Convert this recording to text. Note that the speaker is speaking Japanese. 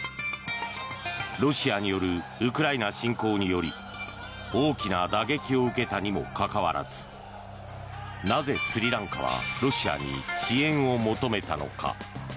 ロシアによるウクライナ侵攻により大きな打撃を受けたにもかかわらずなぜ、スリランカはロシアに支援を求めたのか。